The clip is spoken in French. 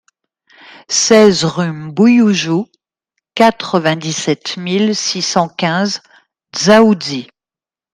seize rue M'Bouyoujou, quatre-vingt-dix-sept mille six cent quinze Dzaoudzi